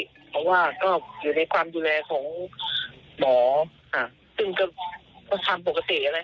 เพราะว่าก็อยู่ในความดูแลของหมอค่ะ